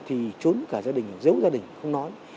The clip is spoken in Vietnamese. thì trốn cả gia đình giấu gia đình không nói